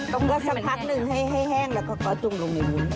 ต้องก็สักพักหนึ่งให้แห้งแล้วก็จุ่มลงอยู่นู้น